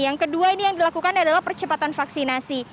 yang kedua ini yang dilakukan adalah percepatan vaksinasi